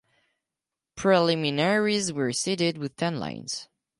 Preliminaries were seeded with ten lanes.